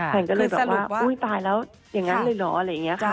แฟนก็เลยแบบว่าอุ้ยตายแล้วอย่างนั้นเลยเหรออะไรอย่างนี้ค่ะ